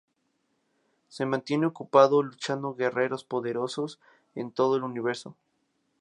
Se mantiene ocupado luchando guerreros poderosos en todo el universo.